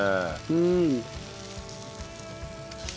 うん。